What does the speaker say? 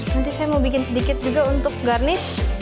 nanti saya mau bikin sedikit juga untuk garnish